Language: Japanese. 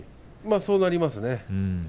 そうなりますね。